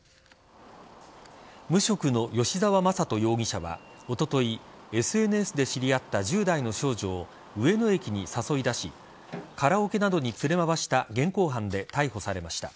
無職の吉沢優人容疑者はおとといＳＮＳで知り合った１０代の少女を上野駅に誘い出しカラオケなどに連れ回した現行犯で逮捕されました。